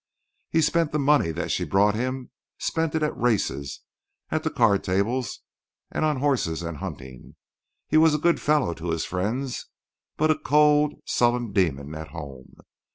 He spent the money that she brought him—spent it at races, at the card table and on horses and hunting. He was a good fellow to his friends, but a cold, sullen demon at home.